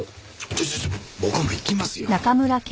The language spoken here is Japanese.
ちょちょちょ僕も行きますよ。